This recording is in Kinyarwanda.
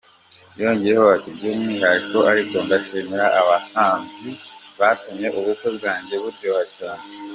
Yongeyeho ati “ By’umwihariko ariko ndashimira abahanzi batumye ubukwe bwanjye buryoha cyane.